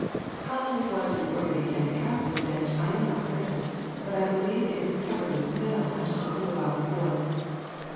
How long it was before it began to have this stench, I am not certain; but I believe it was covered with snow until a little while before."